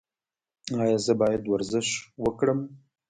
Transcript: ایا زه باید ورزش وکړم؟